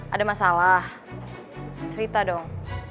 ada masalah cerita dong